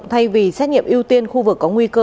thay vì xét nghiệm ưu tiên khu vực có nguy cơ